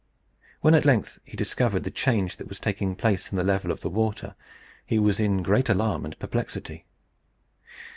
When at length he discovered the change that was taking place in the level of the water, he was in great alarm and perplexity.